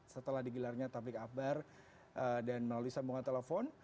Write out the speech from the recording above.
setelah digilarnya tablik akbar dan melalui sambungan telepon